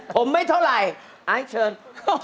ผมไม่เท่าไหร่ไอซ์เชิญ